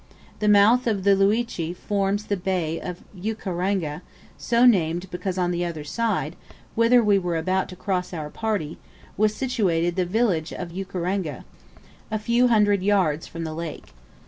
The mouth of the Liuche forms the Bay of Ukaranga, so named because on the other side, whither we were about to cross our party, was situated the village of Ukaranga, a few hundred yards from the lake.